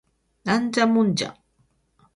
ナンジャモンジャ